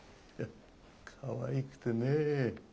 かわいくてねえ。